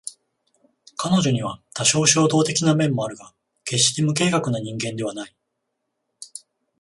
彼女には多少衝動的な面もあるが決して無計画な人間ではない